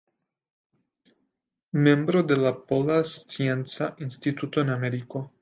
Membro de la Pola Scienca Instituto en Ameriko.